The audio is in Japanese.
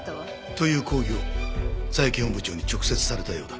という抗議を佐伯本部長に直接されたようだ。